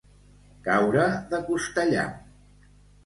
Caure de costellam.